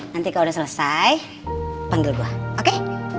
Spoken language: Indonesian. nanti kalau udah selesai panggil gue oke